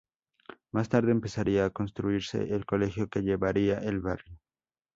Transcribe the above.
Más tarde empezaría a construirse el colegio que llevaría el barrio.